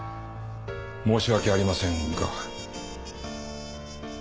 申し訳ありませんが。